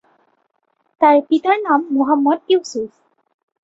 তার পিতার নাম মুহাম্মদ ইউসুফ।